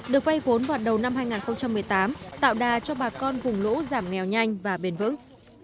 được vay vốn vào đầu năm hai nghìn một mươi tám tạo đà cho bà con vùng lũ giảm nghèo nhanh và bền vững